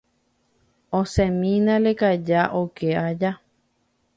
esẽmina lekaja oke aja.